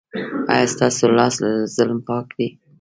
ایا ستاسو لاس له ظلم پاک دی؟